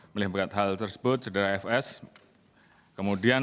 melihat hal tersebut saudara fs kemudian